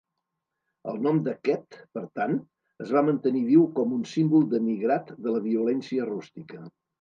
El nom de Kett, per tant, es va mantenir viu com un "símbol denigrat de violència rústica".